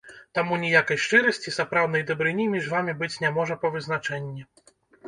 Таму ніякай шчырасці, сапраўднай дабрыні між вамі быць не можа па вызначэнні.